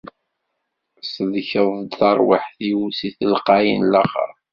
Tsellkeḍ-d tarwiḥt-iw si telqay n laxert.